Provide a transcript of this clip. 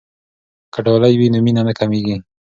که ډالۍ وي نو مینه نه کمېږي.